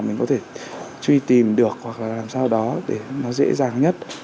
mình có thể truy tìm được hoặc là làm sao đó để nó dễ dàng nhất